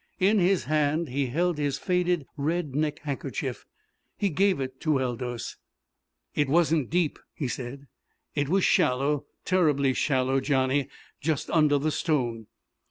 In his hand he held his faded red neck handkerchief. He gave it to Aldous. "It wasn't deep," he said. "It was shallow, turribly shallow, Johnny just under the stone!"